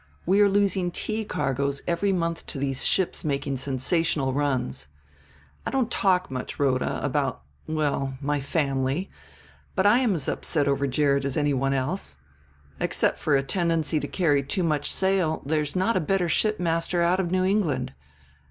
We are losing tea cargoes every month to these ships making sensational runs. I don't talk much, Rhoda, about, well my family; but I am as upset over Gerrit as anyone else. Except for a tendency to carry too much sail there's not a better shipmaster out of New England.